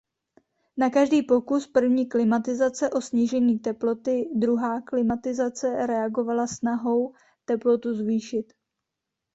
Na každý pokus první klimatizace o snížení teploty druhá klimatizace reagovala snahou teplotu zvýšit.